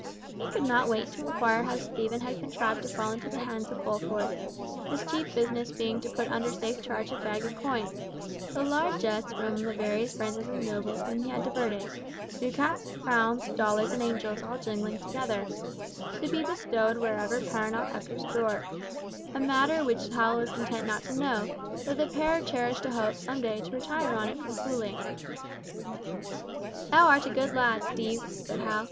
He could not wait to inquire how Stephen had contrived to fall into the hands of Fulford, his chief business being to put under safe charge a bag of coins, the largesse from the various princes and nobles whom he had diverted—ducats, crowns, dollars, and angels all jingling together—to be bestowed wherever Perronel kept her store, a matter which Hal was content not to know, though the pair cherished a hope some day to retire on it from fooling. "Thou art a good lad, Steve," said Hal.